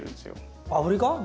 南アフリカ？